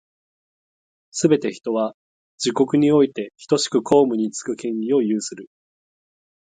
すべて人は、自国においてひとしく公務につく権利を有する。